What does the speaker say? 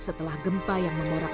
setelah gempa yang mengorak